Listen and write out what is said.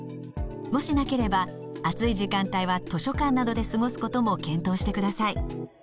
もしなければ暑い時間帯は図書館などで過ごすことも検討してください。